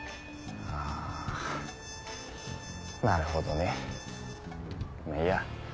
あぁなるほどね。まぁいいや。